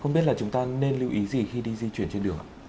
không biết là chúng ta nên lưu ý gì khi đi di chuyển trên đường ạ